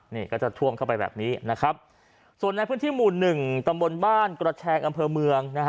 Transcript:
นี่ก็จะท่วมเข้าไปแบบนี้นะครับส่วนในพื้นที่หมู่หนึ่งตำบลบ้านกระแชงอำเภอเมืองนะฮะ